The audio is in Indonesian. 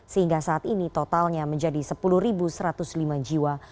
sehingga saat ini totalnya menjadi sepuluh satu ratus lima jiwa